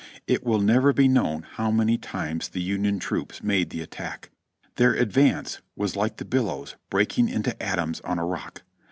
It will never be known how many times the Union troops made the attack. Their advance was like the bil lows breaking into atoms on a rock.